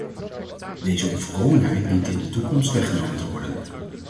Deze onvolkomenheid dient in de toekomst weggenomen te worden.